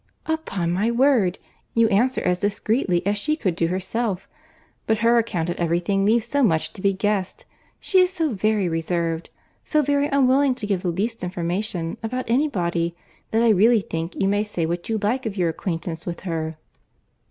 "Upon my word! you answer as discreetly as she could do herself. But her account of every thing leaves so much to be guessed, she is so very reserved, so very unwilling to give the least information about any body, that I really think you may say what you like of your acquaintance with her."